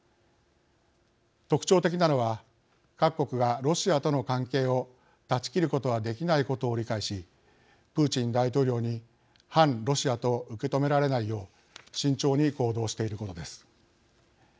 特徴的なのは各国がロシアとの関係を断ち切ることはできないことを理解しプーチン大統領に反ロシアと受け止められないよう慎重に行動していることです。